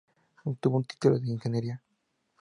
Obtuvo un título de ingeniería.